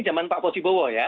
zaman pak posibowo ya